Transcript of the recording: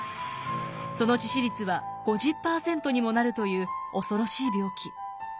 その致死率は５０％にもなるという恐ろしい病気。